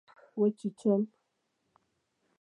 وچیچل